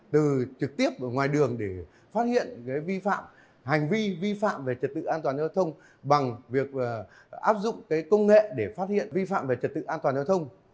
từ trực tiếp ở ngoài đường để phát hiện vi phạm hành vi vi phạm về trật tự an toàn giao thông bằng việc áp dụng công nghệ để phát hiện vi phạm về trật tự an toàn giao thông